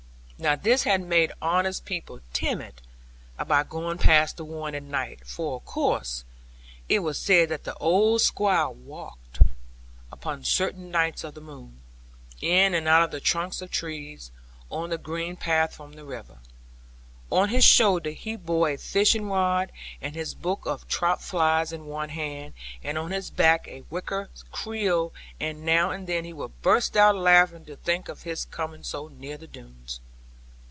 Now this had made honest people timid about going past The Warren at night; for, of course, it was said that the old Squire 'walked,' upon certain nights of the moon, in and out of the trunks of trees, on the green path from the river. On his shoulder he bore a fishing rod, and his book of trout flies, in one hand, and on his back a wicker creel; and now and then he would burst out laughing to think of his coming so near the Doones.